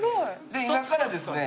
で今からですね